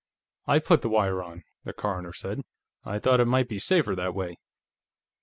"I put the wire on," the coroner said. "I thought it might be safer that way."